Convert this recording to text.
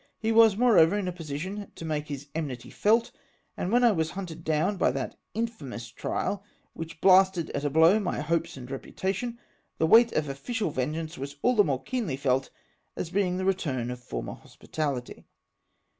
He was, moreover, in a position to make his enmity felt, and when I was hunted down by that infamous trial which blasted at a blow my hopes and reputation, the weight of official vengeance was all the more keenly felt, as being the return of former hospitality.